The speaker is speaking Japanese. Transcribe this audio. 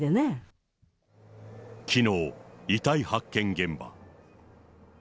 きのう、遺体発見現場。